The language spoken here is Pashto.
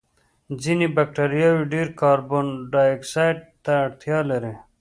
ځینې بکټریاوې ډېر کاربن دای اکسایډ ته اړتیا لري.